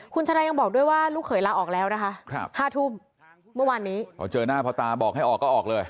คุณชะนายยังบอกด้วยว่าลูกเขยลาออกแล้วนะคะ๕ทุ่มเมื่อวานนี้พอเจอหน้าพอตาบอกให้ออกก็ออกเลย